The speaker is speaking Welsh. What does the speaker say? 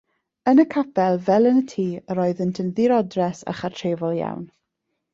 Yn y capel fel yn y tŷ yr oeddynt yn ddirodres a chartrefol iawn.